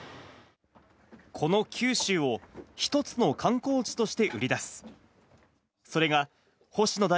この九州を１つの観光地として売り出す。